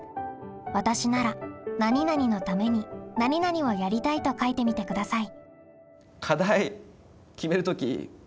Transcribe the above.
「わたしなら何々のために何々をやりたい」と書いてみてください。